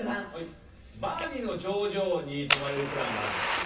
万里の長城に泊まれるプランがあるんですよ。